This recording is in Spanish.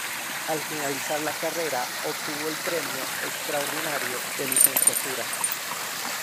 Al finalizar la carrera obtuvo el Premio Extraordinario de Licenciatura.